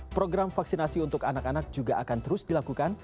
program vaksinasi untuk anak anak juga akan terus dilakukan